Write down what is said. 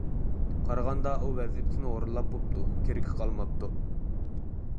قارىغاندا ئۇ ۋەزىپىسىنى ئورۇنلاپ بوپتۇ كېرىكى قالماپتۇ.